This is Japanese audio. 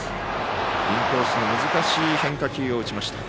インコースの難しい変化球を打ちました。